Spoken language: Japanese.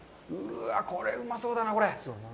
これ、うまそうだな。